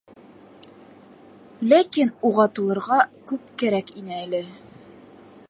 Ләкин уға тулырға күп кәрәк ине әле.